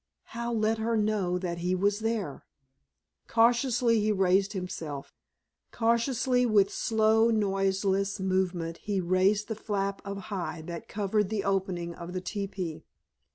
How let her know that he was there? Cautiously he raised himself, cautiously with slow, noiseless movement he raised the flap of hide that covered the opening of the teepee.